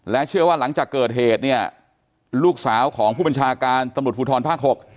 เชื่อว่าหลังจากเกิดเหตุเนี่ยลูกสาวของผู้บัญชาการตำรวจภูทรภาค๖